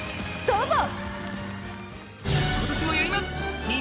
どうぞ。